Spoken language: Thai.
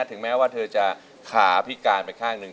ถึงแม้ว่าเธอจะขาพิการไปข้างหนึ่ง